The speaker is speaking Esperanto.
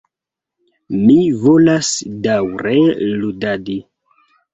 Mi volas daŭre ludadi.